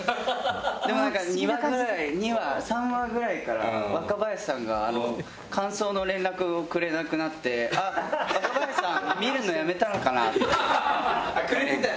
でも２話ぐらい、３話ぐらいから若林さんが感想の連絡をくれなくなってあっ、若林さん見るのやめたのかなって。